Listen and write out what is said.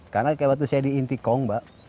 karena waktu saya di intikong pak